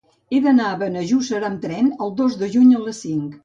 He d'anar a Benejússer amb tren el dos de juny a les cinc.